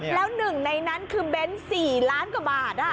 แล้วหนึ่งในนั้นคือเบ้น๔ล้านกว่าบาท